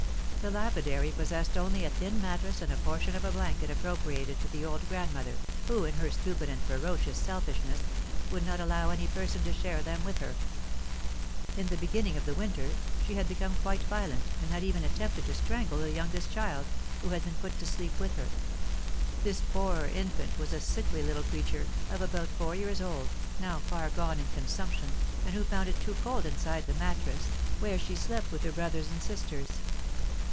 The lapidary possessed only a thin mattress and a portion of a blanket appropriated to the old grandmother, who, in her stupid and ferocious selfishness, would not allow any person to share them with her. In the beginning of the winter she had become quite violent, and had even attempted to strangle the youngest child, who had been put to sleep with her. This poor infant was a sickly little creature, of about four years old, now far gone in consumption, and who found it too cold inside the mattress, where she slept with her brothers and sisters.